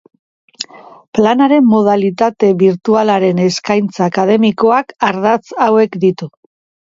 Planaren modalitate birtualaren eskaintza akademikoak ardatz hauek ditu.